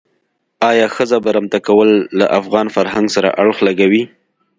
آیا ښځه برمته کول له افغان فرهنګ سره اړخ لګوي.